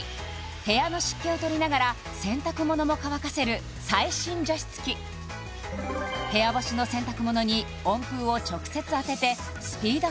部屋の湿気をとりながら洗濯物も乾かせる最新除湿機部屋干しの洗濯物に温風を直接当ててスピード